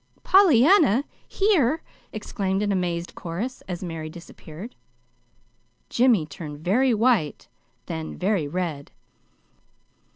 "Pollyanna here!" exclaimed an amazed chorus, as Mary disappeared. Jimmy turned very white, then very red.